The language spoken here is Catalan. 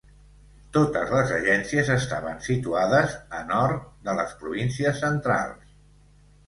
Totes les agències estaven situades a nord de les Províncies Centrals.